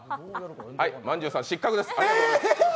はい、まんじゅうさん失格です。